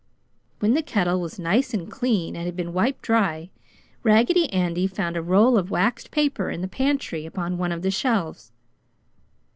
When the kettle was nice and clean and had been wiped dry, Raggedy Andy found a roll of waxed paper in the pantry upon one of the shelves.